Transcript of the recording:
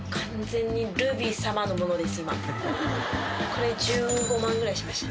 これ１５万ぐらいしました。